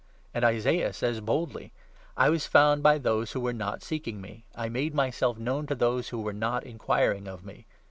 And Isaiah says boldly — 20 1 1 was found by those who were not seeking me ; I made myself known to those who were not inquiring of me.'